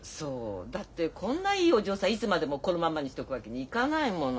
だってこんないいお嬢さんいつまでもこのまんまにしておくわけにいかないもの。